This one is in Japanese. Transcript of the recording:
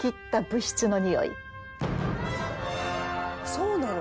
そうなの？